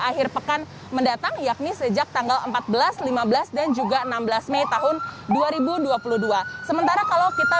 akhir pekan mendatang yakni sejak tanggal empat belas lima belas dan juga enam belas mei tahun dua ribu dua puluh dua sementara kalau kita